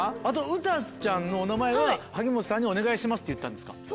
あと詩歌ちゃんのお名前は萩本さんにお願いしますって言ったんですか？